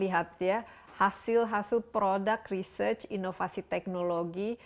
kita harus melihat ya hasil hasil produk research inovasi teknologi